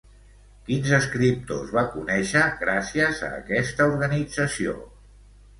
Quins escriptors va conèixer gràcies a aquesta organització?